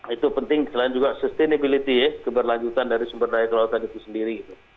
itu penting selain juga sustainability ya keberlanjutan dari sumber daya kelautan itu sendiri